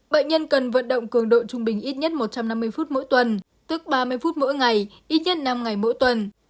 bệnh nhân cần vận động cường độ trung bình ít nhất một trăm năm mươi phút mỗi tuần tức ba mươi phút mỗi ngày ít nhất năm ngày mỗi tuần